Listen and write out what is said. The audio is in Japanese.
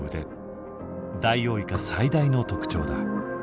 ダイオウイカ最大の特徴だ。